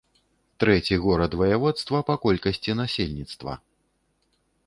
Трэці горад ваяводства па колькасці насельніцтва.